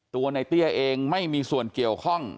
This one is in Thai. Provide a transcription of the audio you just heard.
ตัวในเตี้ยเองไม่มีส่วนเกี่ยวข้อง